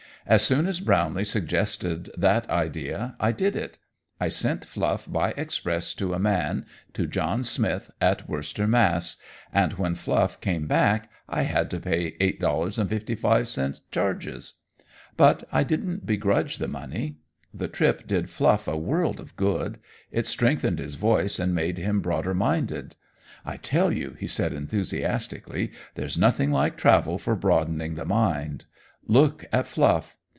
As soon as Brownlee suggested that idea I did it. I sent Fluff by express to a man to John Smith at Worcester, Mass., and when Fluff came back I had to pay $8.55 charges. But I didn't begrudge the money. The trip did Fluff a world of good it strengthened his voice, and made him broader minded. I tell you," he said enthusiastically, "there's nothing like travel for broadening the mind! Look at Fluff!